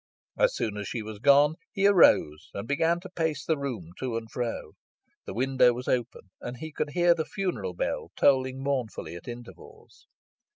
As soon as she was gone he arose, and began to pace the room to and fro. The window was open, and he could hear the funeral bell tolling mournfully at intervals.